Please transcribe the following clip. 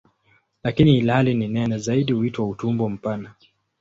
Lakini ilhali ni nene zaidi huitwa "utumbo mpana".